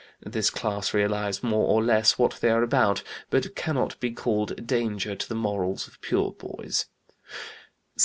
This class realize more or less what they are about, but cannot be called a danger to the morals of pure boys.